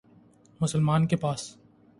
مسلمان کے پاس